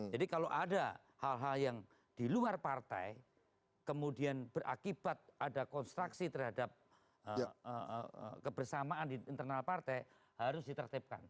jadi kalau ada hal hal yang diluar partai kemudian berakibat ada konstruksi terhadap kebersamaan di internal partai harus ditertibkan